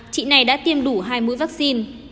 chị này đã tiêm đủ hai mũi vaccine